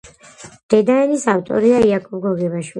დედაენის ავტორია იაკობ გოგებაშვილი